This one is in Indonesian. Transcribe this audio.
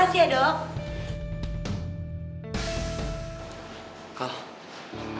terima kasih ya dok